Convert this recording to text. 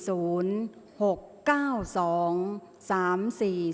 ออกรางวัลที่๖